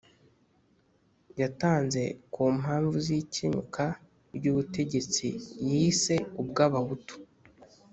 yatanze ku mpamvu z' ikenyuka ry' ubutegetsi yise ubw'abahutu;